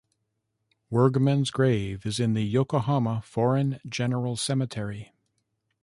Wirgman's grave is in the Yokohama Foreign General Cemetery.